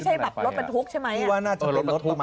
จะเป็นรถประมาณ๖ล้อ